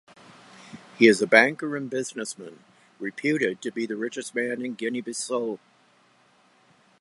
He is a banker and businessman, reputed to be the richest man in Guinea-Bissau.